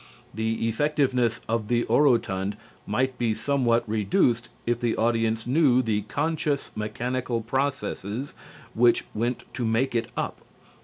The effectiveness of the orotund might be somewhat reduced if the audience knew the conscious mechanical processes which went to make it up.